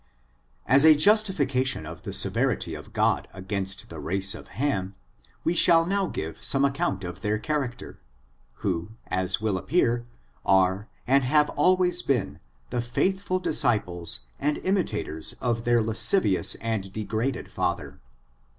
As a justification of the severity of God against the race of Ham, we shall now give some accomit of their character, who, as will appear, are, and have always been, the faithful disciples, and imitators of their lascivious and degraded father.